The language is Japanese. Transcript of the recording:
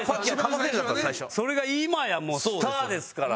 それが今やもうスターですから。